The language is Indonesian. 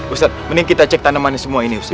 ustadz mending kita cek tanaman semua ini ustadz